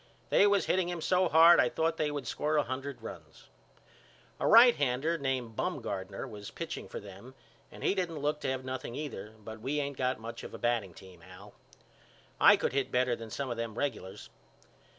They was hitting him so hard I thought they would score a hundred runs. A righthander name Bumgardner was pitching for them and he didn't look to have nothing either but we ain't got much of a batting team Al. I could hit better than some of them regulars.